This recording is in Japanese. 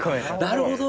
なるほど。